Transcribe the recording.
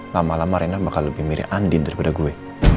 lama lama rena bakal lebih mirip andin daripada gue